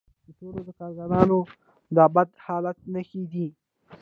دا ټول د کارګرانو د بد حالت نښې دي